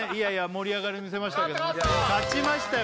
盛り上がりをみせましたけどね勝ちましたよ